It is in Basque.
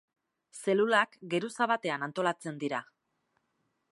Zelulak geruza batean antolatzen dira.